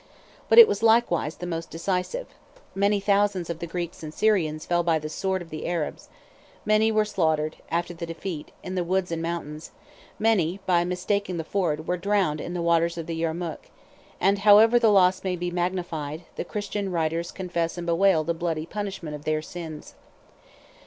But it was likewise the most decisive: many thousands of the Greeks and Syrians fell by the swords of the Arabs; many were slaughtered, after the defeat, in the woods and mountains; many, by mistaking the ford, were drowned in the waters of the Yermuk; and however the loss may be magnified, 76 the Christian writers confess and bewail the bloody punishment of their sins.